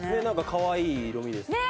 かわいい色味ですよね。